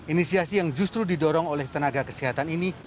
inisiasi yang justru didorong oleh tenaga kesehatan ini